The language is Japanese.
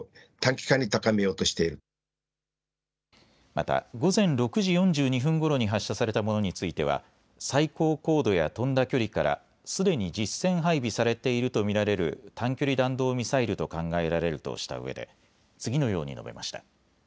また、午前６時４２分ごろに発射されたものについては最高高度や飛んだ距離からすでに実戦配備されていると見られる短距離弾道ミサイルと考えられるとしたうえで次のように述べました。